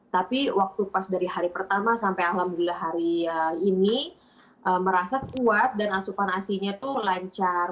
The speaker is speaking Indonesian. tapi waktu pas dari hari pertama sampai alhamdulillah hari ini merasa kuat dan asupan asinya tuh lancar